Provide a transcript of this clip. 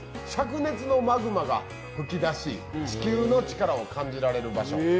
灼熱のマグマが噴き出し、地球の力を感じられる場所。